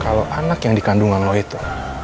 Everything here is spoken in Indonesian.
kalau anak yang dikandungan lo itu